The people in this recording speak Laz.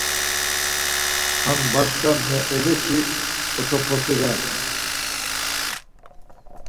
Ham başka meeleşi otoposi ren.